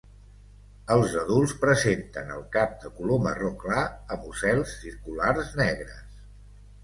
Els adults presenten el cap de color marró clar amb ocels circulars negres.